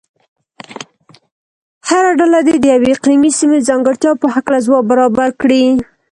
هره ډله دې د یوې اقلیمي سیمې ځانګړتیا په هلکه ځواب برابر کړي.